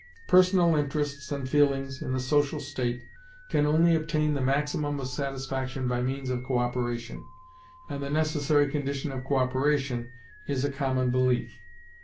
Personal interests and feelings, in the social state, can only obtain the maximum of satisfaction by means of co operation, and the necessary condition of co operation is a common belief.